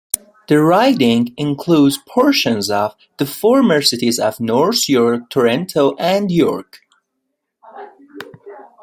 The riding includes portions of the former cities of North York, Toronto, and York.